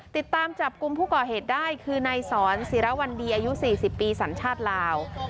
ติดตามจับกลุ่มผู้ก่อเหตุได้คือนายสอนศิรวรรณดีอายุ๔๐ปีสัญชาติลาว